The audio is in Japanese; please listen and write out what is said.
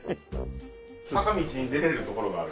坂道に出られる所がある。